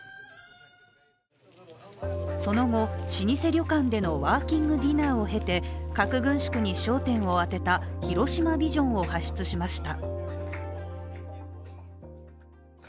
その後、老舗旅館でのワーキングディナーを経て核軍縮に焦点を当てた広島ビジョンを発出しました。